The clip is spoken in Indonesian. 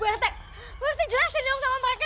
buetek berarti jelasin dong sama mereka